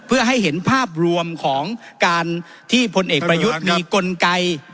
เพื่อให้เห็นภาพรวมของการที่พลเอกประยุทธ์มีกลไก